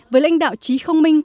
với lãnh đạo trí không minh